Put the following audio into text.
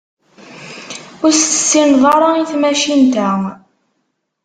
Ur as-tessineḍ ara i tmacint-a.